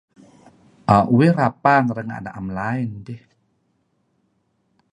Uih rapang renga' naem line dih.